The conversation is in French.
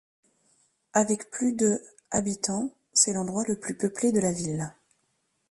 Avec plus de habitants, c'est l'endroit le plus peuplé de la ville.